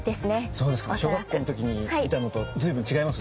そうですか。小学校の時に見たのと随分違います？